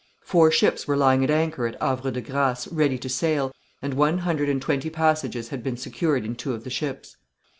Four ships were lying at anchor at Havre de Grâce, ready to sail, and one hundred and twenty passages had been secured in two of the ships.